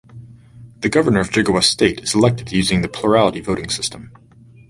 The Governor of Jigawa State is elected using the plurality voting system.